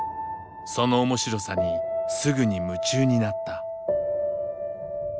その面白さにすぐに夢中になった。